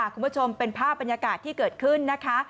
คุณผู้ชมเป็นภาพบรรยากาศที่เกิดขึ้นนะคะ